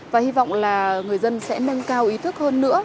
và hy vọng là người dân sẽ nâng cao ý thức hơn nữa